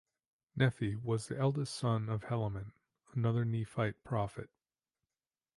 Nephi was the eldest son of Helaman, another Nephite prophet.